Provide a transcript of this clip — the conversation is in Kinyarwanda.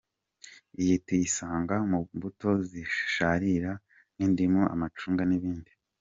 Iyi tuyisanga mu mbuto zisharira nk’indimu, amacunga, n’ibindi.